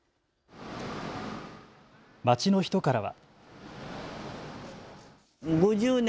街の人からは。